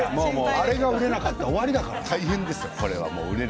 これが売れなかったら終わりだから。